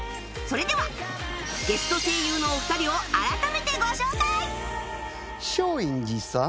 それではゲスト声優のお二人を改めてご紹介！